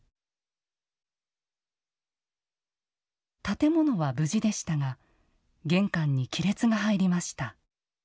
建物は無事でしたが玄関に亀裂が入りました。